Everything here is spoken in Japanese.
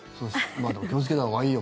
でも気をつけたほうがいいよ。